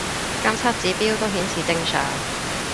監測指標都顯示正常